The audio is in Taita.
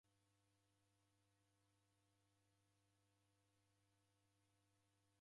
Ngelo ya mbeo ikavika, didapata theluji.